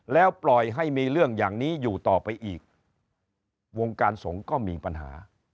แล้วปล่อยให้มีเรื่องอย่างนี้อยู่ต่อไปอีกวงการสงฆ์ก็มีปัญหา